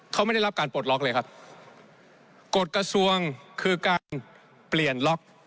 เขาไม่ได้รับการปลดล็อกเลยครับกฎกระทรวงคือการเปลี่ยนล็อก